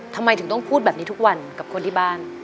ทำไมถึงต้องพูดแบบนี้ทุกวันกับคนที่บ้าน